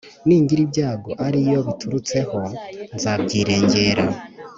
ningira ibyago ari yo biturutseho nzabyirengra